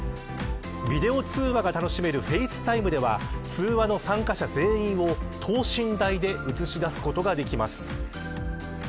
ビデオ通話が楽しめるＦａｃｅＴｉｍｅでは通話の参加者全員を等身大で映し出すことができます。